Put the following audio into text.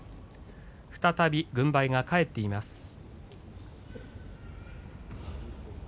再び軍配が返っています。